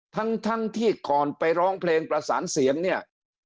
ทั้งที่ก่อนไปร้องเพลงประสานเสียงเนี่ย